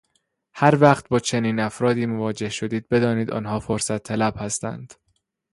هر وقت با چنین افراد مواجه شدید بدانید آنها فرصت طلب هستند.